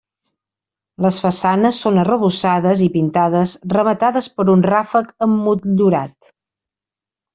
Les façanes són arrebossades i pintades, rematades per un ràfec emmotllurat.